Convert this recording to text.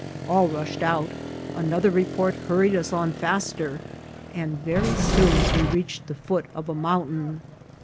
All rushed out ; another report hurried us on faster, and very soon we reached the foot of a mountain.